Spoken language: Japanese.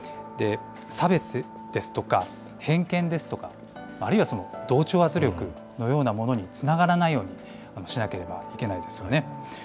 差別ですとか、偏見ですとか、あるいは同調圧力のようなものにつながらないようにしなければいけないですよね。